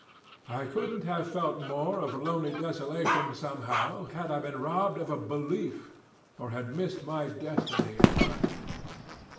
I couldn't have felt more of lonely desolation somehow, had I been robbed of a belief or had missed my destiny in life.